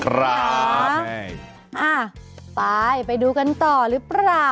อ๋ออ่ะไปไปดูกันต่อแล้วปะ